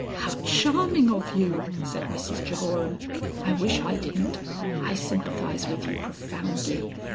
"How charming of you!" said Mrs Jehoram. "I wish I didn't. I sympathise with you profoundly.